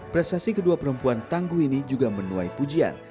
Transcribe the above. prestasi kedua perempuan tangguh ini juga menuai pujian